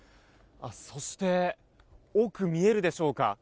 そして、奥、見えるでしょうか。